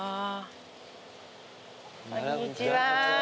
こんにちは。